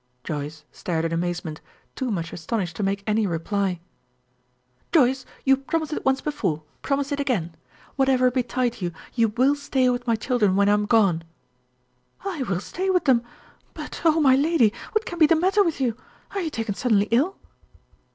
Joyce stared in amazement, too much astonished to make any reply. "Joyce, you promised it once before; promise it again. Whatever betide you, you will stay with my children when I am gone." "I will stay with them. But, oh, my lady, what can be the matter with you? Are you taken suddenly ill?"